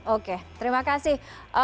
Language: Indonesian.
oke terima kasih